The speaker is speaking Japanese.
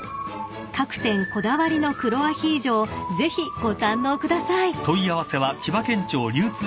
［各店こだわりの黒アヒージョをぜひご堪能ください］